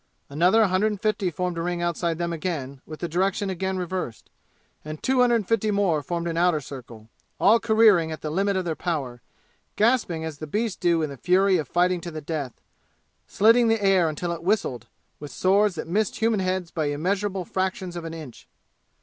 Another hundred and fifty formed a ring outside them again, with the direction again reversed; and two hundred and fifty more formed an outer circle all careering at the limit of their power, gasping as the beasts do in the fury of fighting to the death, slitting the air until it whistled, with swords that missed human heads by immeasurable fractions of an inch.